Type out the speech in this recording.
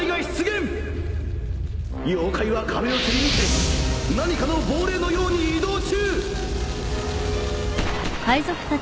妖怪は壁をすり抜け何かの亡霊のように移動中。